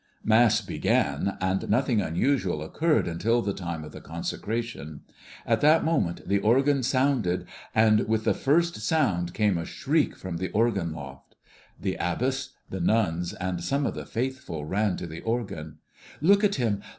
Mass began, and nothing unusual occurred until the time of the consecration. At that moment the organ sounded, and with the first sound came a shriek from the organ loft. The abbess, the nuns, and some of the faithful ran to the organ. "Look at him!